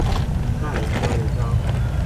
大林交流道